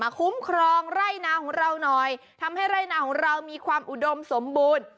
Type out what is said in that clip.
คุ้มครองไร่นาของเราหน่อยทำให้ไร่นาของเรามีความอุดมสมบูรณ์